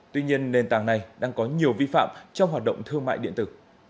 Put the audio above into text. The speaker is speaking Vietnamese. tuy nhiên nền tảng này đang có nhiều vi phạm trong hoạt động thương mại điện tử